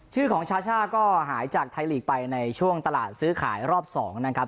ชื่อของชาช่าก็หายจากไทยลีกไปในช่วงตลาดซื้อขายรอบ๒นะครับ